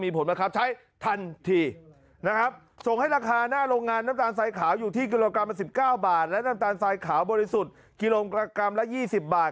ผลบังคับใช้ทันทีนะครับส่งให้ราคาหน้าโรงงานน้ำตาลทรายขาวอยู่ที่กิโลกรัมละ๑๙บาทและน้ำตาลทรายขาวบริสุทธิ์กิโลกรัมละ๒๐บาท